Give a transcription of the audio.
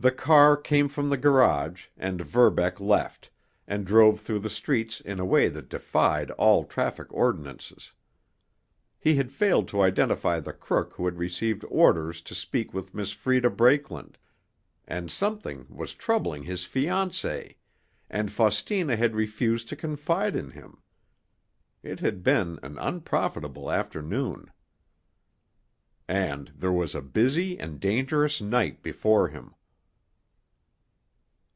The car came from the garage, and Verbeck left, and drove through the streets in a way that defied all traffic ordinances. He had failed to identify the crook who had received orders to speak with Miss Freda Brakeland. And something was troubling his fiancée, and Faustina had refused to confide in him. It had been an unprofitable afternoon. And there was a busy and dangerous night before him.